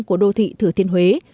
của đô thị thứ thiên huế